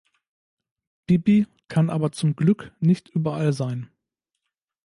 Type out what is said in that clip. Bibi kann aber zum Glück nicht überall sein.